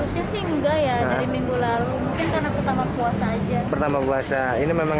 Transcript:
sebagai penumpang gimana pak